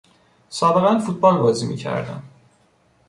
سابقا فوتبال بازی میکردم.